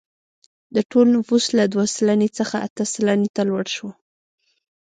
د ټول نفوس له دوه سلنې څخه اته سلنې ته لوړ شو.